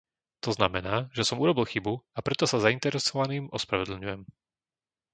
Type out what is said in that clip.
To znamená, že som urobil chybu a preto sa zainteresovaným ospravedlňujem.